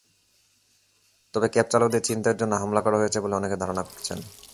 তবে ক্যাবচালকদের ছিনতাইয়ের জন্য হামলা করা হয়েছে বলে অনেকে ধারণা করছেন।